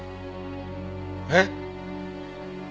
えっ？